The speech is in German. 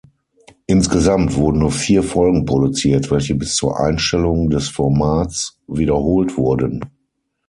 Insgesamt wurden nur vier Folgen produziert, welche bis zur Einstellung des Formats wiederholt wurden.